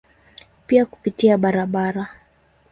Pia kupitia barabara.